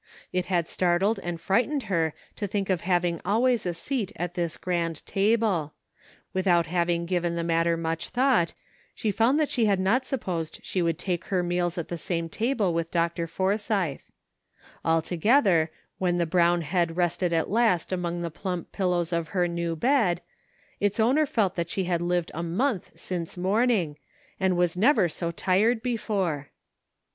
It had startled and frightened her to think of having always a seat at this grand table ; without hav ing given the matter much thought she found that she had not supposed she would take her meals at the same table with Dr. Forsythe. Altogether, when the brown head rested at last among the plump pillows of her new bed, its owner felt that she had lived a month since morning, and was never so tired before.